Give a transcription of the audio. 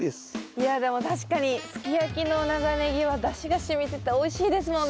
いやでも確かにすき焼きの長ネギはだしがしみてておいしいですもんね。